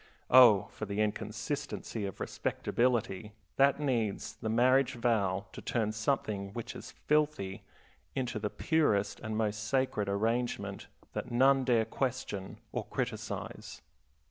Oh, for the inconsistency of respectability, that needs the marriage vow to turn something which is filthy into the purest and most sacred arrangement that none dare question or criticize.